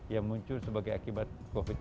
yang muncul sebagai akibat covid sembilan belas